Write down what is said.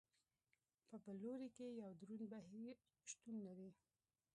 په بل لوري کې یو دروند بهیر شتون لري.